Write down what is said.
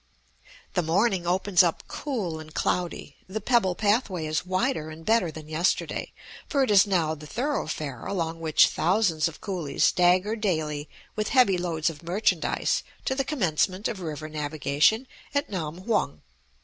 The morning opens up cool and cloudy, the pebble pathway is wider and better than yesterday, for it is now the thoroughfare along which thousands of coolies stagger daily with heavy loads of merchandise to the commencement of river navigation at Nam hung.